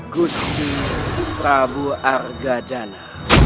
gusti prabu argadana